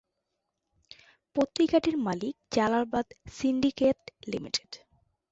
পত্রিকাটির মালিক জালালাবাদ সিন্ডিকেট লিঃ।